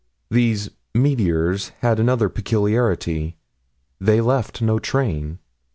These "meteors" had another peculiarity; they left no train.